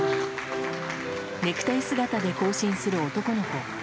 ネクタイ姿で行進する男の子。